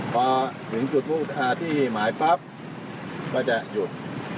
พอถึงจุดภูมิภาพที่หมายปั๊บก็จะหยุด